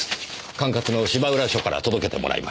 管轄の芝浦署から届けてもらいました。